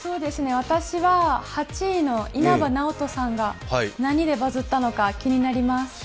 私は８位の稲葉なおとさんが何でバズッたのか気になります。